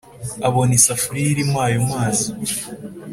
abona isafuriya irimo ayo mazi,